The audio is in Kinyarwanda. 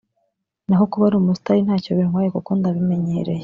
naho kuba ari umustari ntacyo bintwaye kuko ndabimenyereye